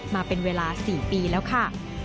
มาเป็นเวลา๔ปีแล้วค่ะ